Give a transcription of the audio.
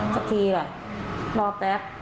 สักทีล่ะรอแป๊บ